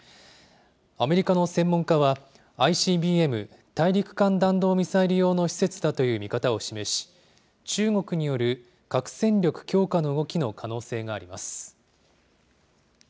アメリカの専門家は、ＩＣＢＭ・大陸間弾道ミサイル用の施設だという見方を示し、中国による核戦力強化の動きの可能性があります。